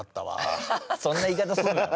ハハハッそんな言い方すんな。